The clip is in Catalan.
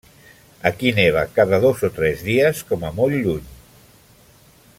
Aquí neva cada dos o tres dies al com a molt lluny.